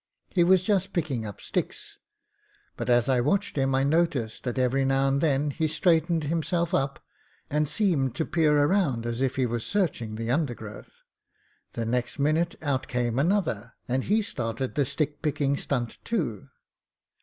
He was just picking up sticks, but as I watched him I noticed that every now and then he straightened himself up, and seemed to peer around as if he was searching the undergrowth. The next minute out came another^ and he started the stick picking stunt too.''